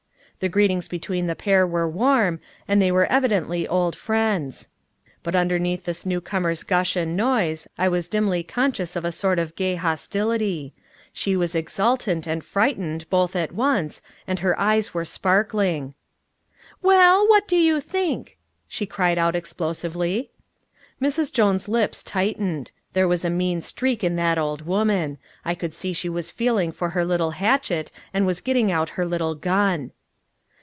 The greetings between the pair were warm, and they were evidently old friends. But underneath the new comer's gush and noise I was dimly conscious of a sort of gay hostility. She was exultant and frightened, both at once, and her eyes were sparkling. "Well, what do you think?" she cried out explosively. Mrs. Jones' lips tightened. There was a mean streak in that old woman. I could see she was feeling for her little hatchet, and was getting out her little gun.